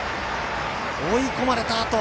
追い込まれたあと。